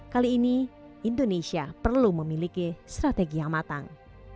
kali ini indonesia perlu memiliki strategi yang matang